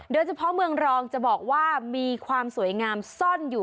โดยเฉพาะเมืองรองจะบอกว่ามีความสวยงามซ่อนอยู่